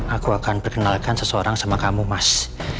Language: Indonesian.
aku akan perkenalkan seseorang sama kamu mas